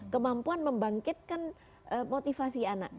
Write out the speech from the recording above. kemampuan membangkitkan motivasi anak